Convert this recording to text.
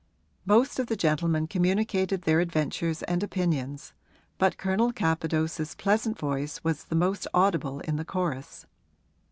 Most of the gentlemen communicated their adventures and opinions, but Colonel Capadose's pleasant voice was the most audible in the chorus.